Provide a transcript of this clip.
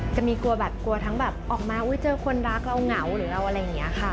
กลัวแบบกลัวทั้งแบบออกมาเจอคนรักเราเหงาหรือเราอะไรอย่างนี้ค่ะ